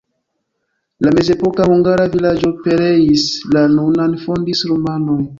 La mezepoka hungara vilaĝo pereis, la nunan fondis rumanoj.